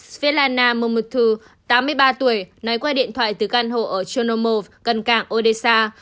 svelana momotu tám mươi ba tuổi nói qua điện thoại từ căn hộ ở chernomov gần cảng odessa